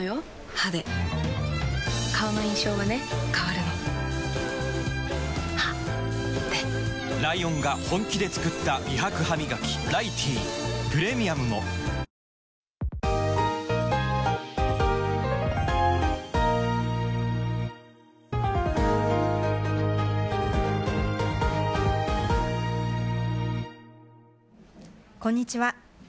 歯で顔の印象はね変わるの歯でライオンが本気で作った美白ハミガキ「ライティー」プレミアムもこんにちは。